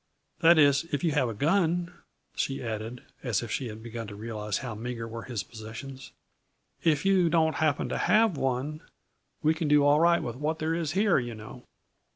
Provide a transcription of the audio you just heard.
That is, if you have a gun," she added, as if she had begun to realize how meagre were his possessions. "If you don't happen to have one, we can do all right with what there is here, you know."